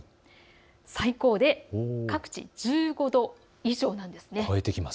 最高で各地１５度以上なんです。